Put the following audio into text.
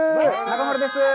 中丸です！